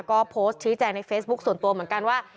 ก็โพสต์ชี้แจงในเฟซบุ๊คส่วนตัวเหมือนกันว่า